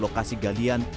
menutup lokasi galian